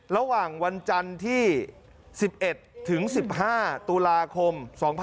ระหว่างวันจันทร์ที่๑๑ถึง๑๕ตุลาคม๒๕๖๒